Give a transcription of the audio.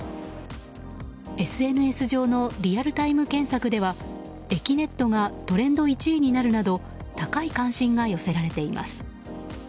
ＳＮＳ上のリアルタイム検索ではえきねっとがトレンド１位になるなど高い関心が寄せられています。